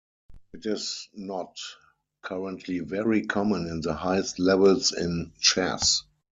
It is not currently very common in the highest levels in chess.